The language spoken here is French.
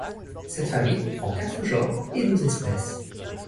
Cette famille comprend quatre genres et douze espèces.